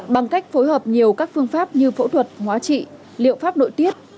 bằng cách phối hợp nhiều các phương pháp như phẫu thuật hóa trị liệu pháp nội tiết